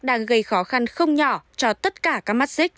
đang gây khó khăn không nhỏ cho tất cả các mắt xích